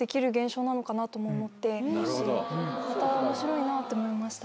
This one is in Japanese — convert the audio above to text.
面白いなって思いました。